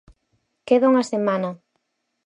Queda unha semana.